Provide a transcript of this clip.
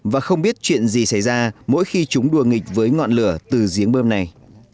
và không biết chuyện gì xảy ra mỗi khi chúng đùa nghịch với ngọn lửa từ giếng bơm này